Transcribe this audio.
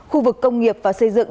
khu vực công nghiệp và xây dựng